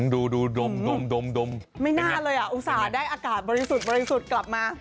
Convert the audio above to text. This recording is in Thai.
ดูดมไม่น่าเลยอ่ะอุตส่าห์ได้อากาศบริสุทธิ์บริสุทธิ์กลับมา